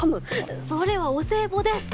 それはお歳暮です。